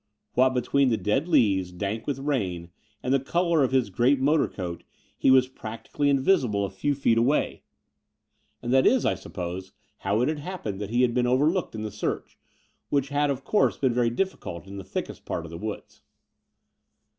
What between the dead leaves, dank with rain, and the colour of his great motor coat, he was praxitically invisible a few feet away : and that is, The Brighton Road 99 I suppose, how it had happened that he had been overlooked in the search, which had, of course, been very difficult in the thickest part of the woods.